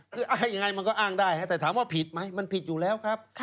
คืออ้างยังไงมันก็อ้างได้แต่ถามว่าผิดไหมมันผิดอยู่แล้วครับ